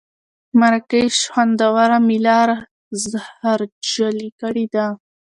مراکش خوندوره مېله را زهرژلې کړه.